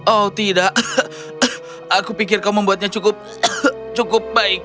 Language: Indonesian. oh tidak aku pikir kau membuatnya cukup baik